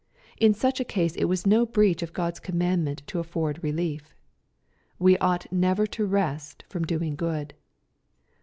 In such a case it was no breach of Grod's commandment to afford relief. We ought never to rest from doing good.